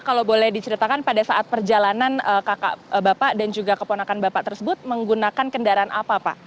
kalau boleh diceritakan pada saat perjalanan kakak bapak dan juga keponakan bapak tersebut menggunakan kendaraan apa pak